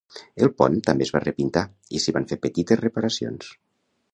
El pont també es va repintar i s'hi van fer petites reparacions.